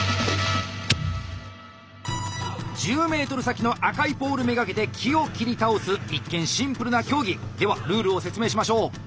１０ｍ先の赤いポール目がけて木を切り倒す一見シンプルな競技！ではルールを説明しましょう！